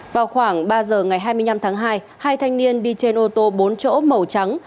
vào khoảng ba giờ ngày hai mươi năm tháng hai hai thanh niên đi trên ô tô bốn chỗ màu trắng